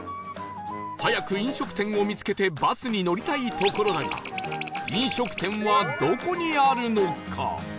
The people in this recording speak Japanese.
早く飲食店を見つけてバスに乗りたいところだが飲食店はどこにあるのか？